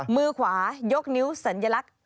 มือขวายกนิ้วสัญลักษณ์